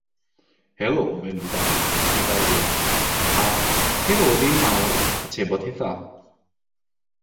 “Helo fenyw fach” meddai ef, a “helo ddyn mawr” atebodd hithau.